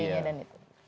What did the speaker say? iya dan itu